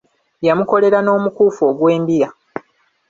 Yamukolera n'omukuufu ogw'embira.